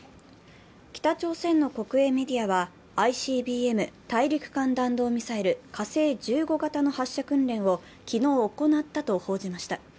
北朝鮮の国営メディアはＩＣＢＭ＝大陸間弾道ミサイル火星１５型の発射訓練を昨日行ったと報じました。